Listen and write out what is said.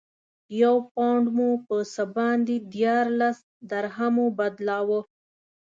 یو پونډ مو په څه باندې دیارلس درهمو بدلاوه.